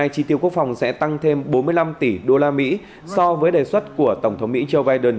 chi tiêu quốc phòng sẽ tăng thêm bốn mươi năm tỷ đô la mỹ so với đề xuất của tổng thống mỹ joe biden